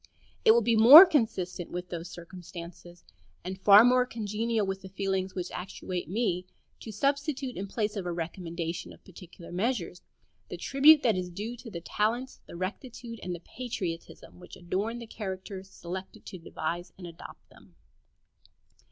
It will be more consistent with those circumstances, and far more congenial with the feelings which actuate me, to substitute, in place of a recommendation of particular measures, the tribute that is due to the talents, the rectitude, and the patriotism which adorn the characters selected to devise and adopt them.